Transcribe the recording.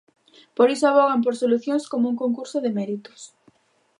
Por iso avogan por solucións como un concurso de méritos.